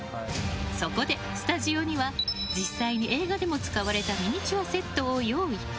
そこで、スタジオには実際に映画でも使われたミニチュアセットを用意！